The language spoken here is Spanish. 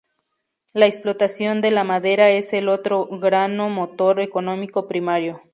La explotación de la madera es el otro grano motor económico primario.